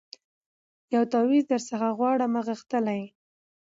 یو تعویذ درڅخه غواړمه غښتلی